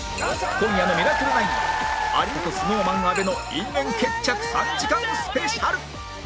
今夜の『ミラクル９』は有田と ＳｎｏｗＭａｎ 阿部の因縁決着３時間スペシャル